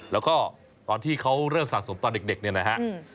แล้วก็ตอนที่เขาเริ่มสะสมตอนเด็กเนี่ยนะฮะ